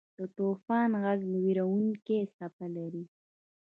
د طوفان ږغ وېرونکې څپه لري.